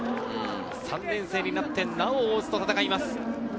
３年生になって、なお大津と戦います。